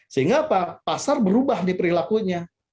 sehingga apa pasar berubah di perilakunya